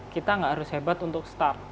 kita tidak harus hebat untuk mulai